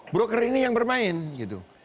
broker ini yang bermain gitu